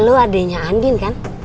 lo adeknya andin kan